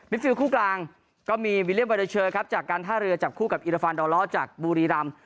ผิดคู่กลางก็มีจะจากการท่าเรือจับคู่กับจัดบูรีรำ